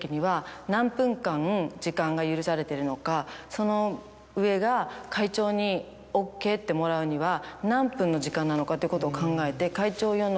その上が会長にＯＫってもらうには何分の時間なのかということを考えて。